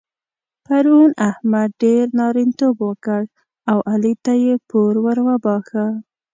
پرون احمد ډېر نارینتوب وکړ او علي ته يې پور ور وباښه.